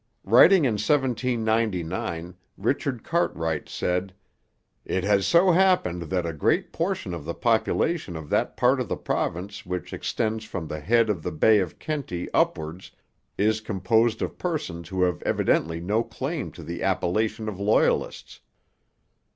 Writing in 1799 Richard Cartwright said, 'It has so happened that a great portion of the population of that part of the province which extends from the head of the Bay of Kenty upwards is composed of persons who have evidently no claim to the appellation of Loyalists.'